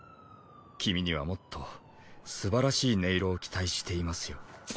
君にはもっとすばらしい音色を期待していますよ。